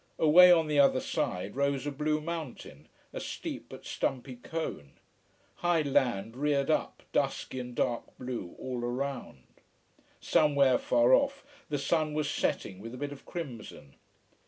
Away on the other side rose a blue mountain, a steep but stumpy cone. High land reared up, dusky and dark blue, all around. Somewhere far off the sun was setting with a bit of crimson.